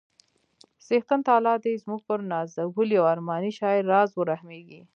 څښتن تعالی دې زموږ پر نازولي او ارماني شاعر راز ورحمیږي